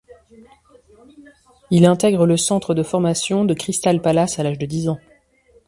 Il intègre le centre de formation de Crystal Palace à l'âge de dix ans.